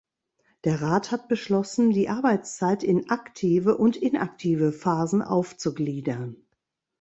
Der Rat hat beschlossen, die Arbeitszeit in aktive und inaktive Phasen aufzugliedern.